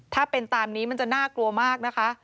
ถ้าเป็นตามนี้มันจะน่ากลัวมากนะคะ